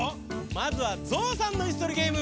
まずはゾウさんのいすとりゲーム。